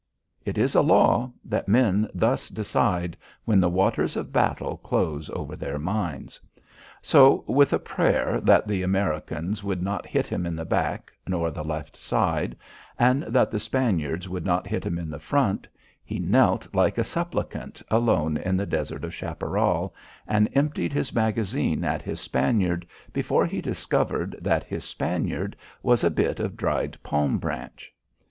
It is a law that men thus decide when the waters of battle close over their minds. So with a prayer that the Americans would not hit him in the back nor the left side, and that the Spaniards would not hit him in the front, he knelt like a supplicant alone in the desert of chaparral, and emptied his magazine at his Spaniard before he discovered that his Spaniard was a bit of dried palm branch.